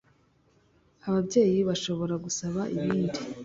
ababyeyi bashobora gusaba ibindi